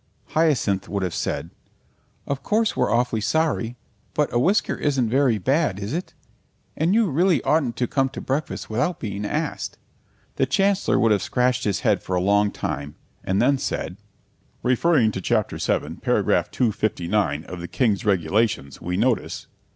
Hyacinth would have said, "Of course we're awfully sorry, but a whisker isn't very bad, is it? and you really oughtn't to come to breakfast without being asked." The Chancellor would have scratched his head for a long time, and then said, "Referring to Chap VII, Para 259 of the King's Regulations we notice